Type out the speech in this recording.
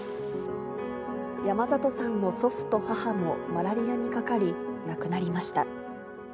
山里さんの祖父と母もマラリアにかかり、亡くなりました。